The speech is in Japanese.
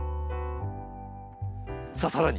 さあさらに！